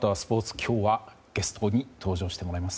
今日はゲストに登場してもらいます。